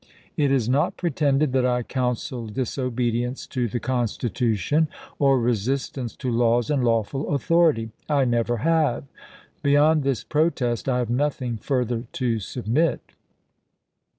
It is not pretended that I counseled disobedience to the Constitution or resistance to laws and lawful cyXp®1 authority. I never have. Beyond this protest, I p. 480. ' have nothing further to submit."